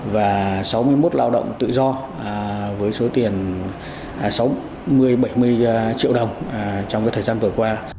và sáu mươi một lao động tự do với số tiền sáu mươi bảy mươi triệu đồng trong thời gian vừa qua